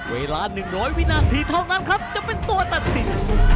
เวลา๑๐๐วินาทีเท่านั้นครับจะเป็นตัวตัดสิน